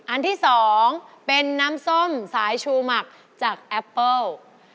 อันที่๒เป็นน้ำส้มสายชูหมักจากแอปเปิ้ล